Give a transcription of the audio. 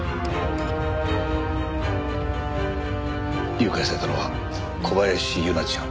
誘拐されたのは小林優菜ちゃん。